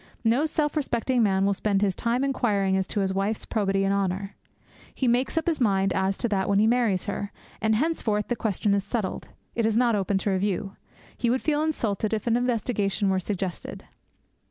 No self respecting man will spend his time inquiring as to his wife's probity and honour. He makes up his mind as to that when he marries her; and henceforth that question is settled. It is not open to review. He would feel insulted if an investigation were suggested.